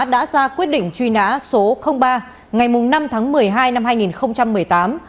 đã ra quyết định truy nã số ba ngày năm tháng một mươi hai năm hai nghìn một mươi tám